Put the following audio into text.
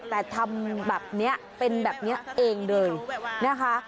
แต่ทำแบบนี้เป็นแบบนี้เองเลยนะคะ